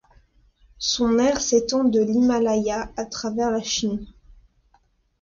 Son aire s'étend de l'Himalaya à travers la Chine.